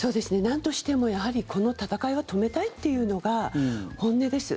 なんとしてもこの戦いは止めたいというのが本音です。